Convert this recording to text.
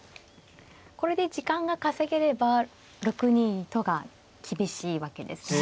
これで時間が稼げれば６二とが厳しいわけですね。